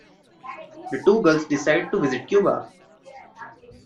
The two girls decide to visit Cuba.